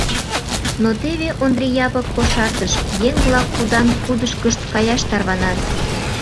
Но теве Ондри Япык кошартыш, еҥ-влак кудан-кудышкышт каяш тарванат.